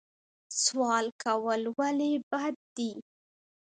سوال کول ولې بد دي؟